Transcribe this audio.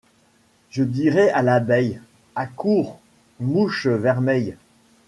Je dirais à l'abeille : accours, mouche vermeille